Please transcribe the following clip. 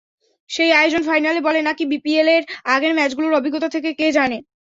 সেই আয়োজন ফাইনাল বলে নাকি বিপিএলের আগের ম্যাচগুলোর অভিজ্ঞতা থেকে—কে জানে।